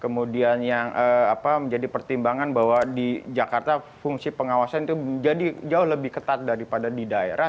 kemudian yang menjadi pertimbangan bahwa di jakarta fungsi pengawasan itu jadi jauh lebih ketat daripada di daerah